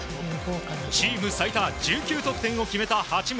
チーム最多１９得点を決めた八村。